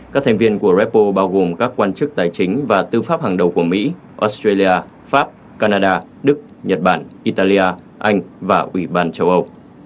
các thành viên của repo bao gồm các quan chức tài chính và tư pháp hàng đầu của mỹ australia pháp canada đức nhật bản italia anh và ủy ban châu âu